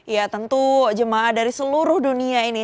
ya tentu jemaah dari seluruh dunia ini